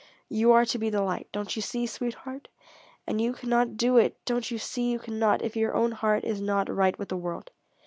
You are to be the light don't you see, sweetheart? And you cannot do it, don't you see you cannot, if your own heart is not right with the world?"